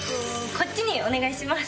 こっちにお願いします。